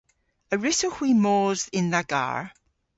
A wrussowgh hwi mos yn dha garr?